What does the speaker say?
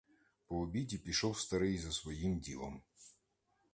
По обіді пішов старий за своїм ділом.